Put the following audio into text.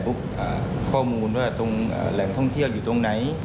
ข้อมูลว่าตรงแหล่งท่องเที่ยวอยู่ตรงไหน